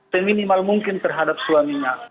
seminimal mungkin terhadap suaminya